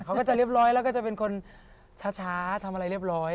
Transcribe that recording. เขาก็จะเรียบร้อยแล้วก็จะเป็นคนช้าทำอะไรเรียบร้อย